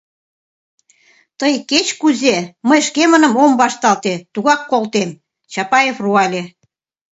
— Тый кеч-кузе, мый шкемыным ом вашталте, тугак колтем, — Чапаев руале.